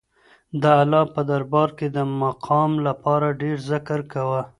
د الله په دربار کې د مقام لپاره ډېر ذکر کوه.